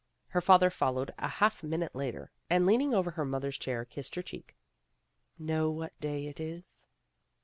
Her father followed a half minute later, and leaning over her mother's chair kissed her cheek. "Know what day it is?"